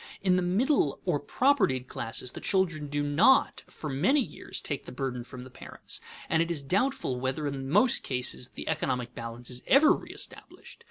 In the middle or propertied classes the children do not for many years take the burden from the parents, and it is doubtful whether in most cases the economic balance is ever reëstablished.